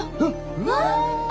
うわ。